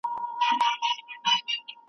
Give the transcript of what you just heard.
د ټولنې د ثبات لپاره يې کار وکړ.